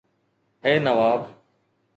اي Nawab